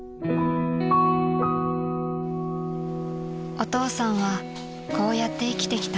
［お父さんはこうやって生きてきた］